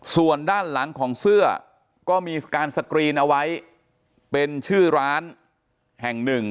ส่วนด้านหลังของเสื้อก็มีการสกรีนเอาไว้เป็นชื่อร้านแห่งหนึ่ง